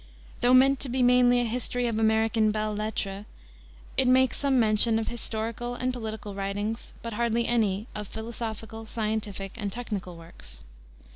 Though meant to be mainly a history of American belles lettres it makes some mention of historical and political writings, but hardly any of philosophical, scientific, and technical works.